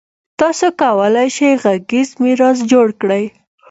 تاسو کولای شئ غږیز میراث جوړ کړئ.